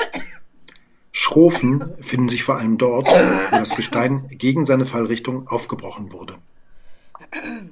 Schrofen finden sich vor allem dort, wo das Gestein gegen seine Fallrichtung aufgebrochen wurde.